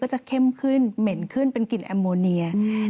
จะเข้มขึ้นเหม็นขึ้นเป็นกลิ่นแอมโมเนีย